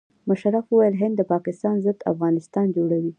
مشرف وویل هند د پاکستان ضد افغانستان جوړوي.